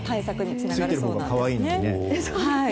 ついてるほうが可愛いのにね。